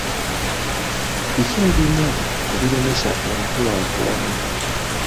Biki ebimu ku biremesa enkulaakulana?